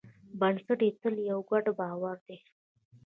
بنسټ یې تل یو ګډ باور دی.